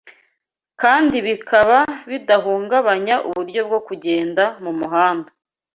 kandi bikaba bidahungabanya uburyo bwo kugenda mu muhanda